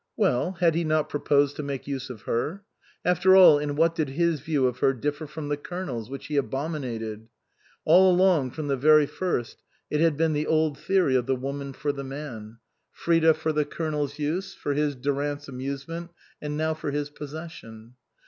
Well, had he not pro posed to make use of her? After all, in what did his view of her differ from the Colonel's, which he abominated? All along, from the very first, it had been the old theory of the woman for the man. Frida for the Colonel's 185 THE COSMOPOLITAN use ; for his (Durant's) amusement, and now for his possession.